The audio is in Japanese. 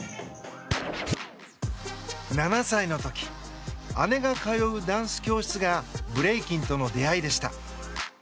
７歳の時、姉が通うダンス教室がブレイキンとの出会いでした。